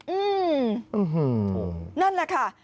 อืมนั่นแหละค่ะ